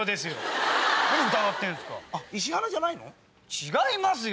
違いますよ！